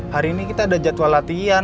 hari ini kita ada jadwal latihan